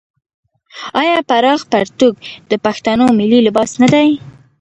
آیا پراخ پرتوګ د پښتنو ملي لباس نه دی؟